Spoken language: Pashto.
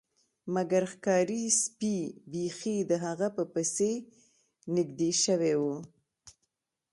مګر ښکاري سپي بیخي د هغه په پسې نږدې شوي وو